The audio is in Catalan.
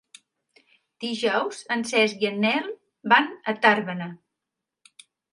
Dijous en Cesc i en Nel van a Tàrbena.